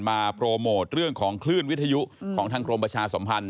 โปรโมทเรื่องของคลื่นวิทยุของทางกรมประชาสมพันธ